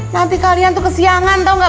nanti kalian tuh kesiangan tau gak